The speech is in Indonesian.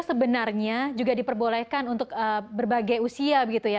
sebenarnya juga diperbolehkan untuk berbagai usia begitu ya